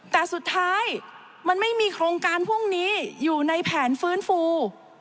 แต่สุดท้ายมันไม่มีโครงการพวกนี้อยู่ในแผนฟื้นฟู